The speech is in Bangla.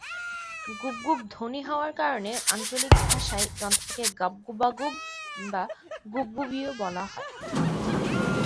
গুব্গুব্ ধ্বনি হওয়ার কারণে আঞ্চলিক ভাষায় যন্ত্রটিকে ‘গাব গুবাগুব’ বা ‘গুবগুবি’ও বলা হয়।